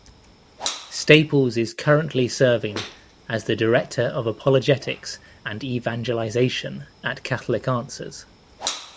Staples is currently serving as the Director of Apologetics and Evangelization at Catholic Answers.